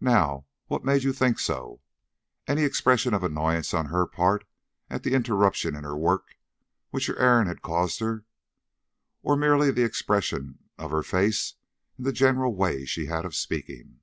Now, what made you think so? Any expression of annoyance on her part at the interruption in her work which your errand had caused her, or merely the expression of her face and the general way she had of speaking?"